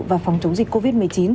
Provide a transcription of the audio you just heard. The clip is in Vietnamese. và phòng chống dịch covid một mươi chín